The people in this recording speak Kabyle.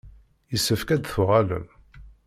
Yessefk ad d-tuɣalem.